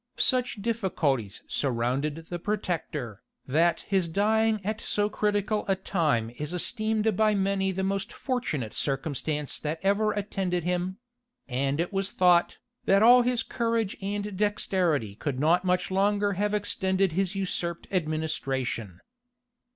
Such difficulties surrounded the protector, that his dying at so critical a time is esteemed by many the most fortunate circumstance that ever attended him; and it was thought, that all his courage and dexterity could not much longer have extended his usurped administration.